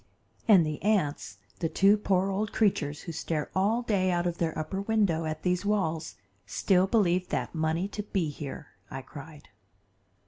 "And the aunts, the two poor old creatures who stare all day out of their upper window at these walls, still believe that money to be here," I cried.